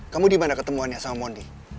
kamu dimana ketemuannya sama mondi